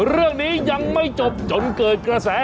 เรื่องนี้ยังไม่จบจนเกิดกระแส